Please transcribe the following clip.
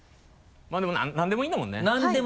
まぁでも何でもいいんだもんね。